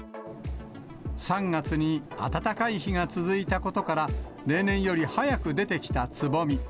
３月に暖かい日が続いたことから、例年より早く出てきた、つぼみ。